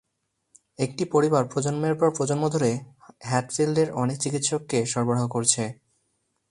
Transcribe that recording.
একটি পরিবার প্রজন্মের পর প্রজন্ম ধরে হ্যাটফিল্ডের অনেক চিকিৎসককে সরবরাহ করেছে।